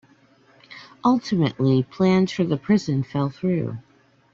Ultimately, plans for the prison fell through.